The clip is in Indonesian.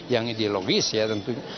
yang ideologis ya tentunya